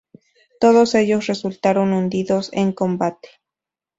Todos ellos resultaron hundidos en combate.